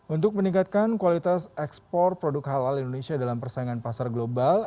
untuk meningkatkan kualitas ekspor produk halal indonesia dalam persaingan pasar global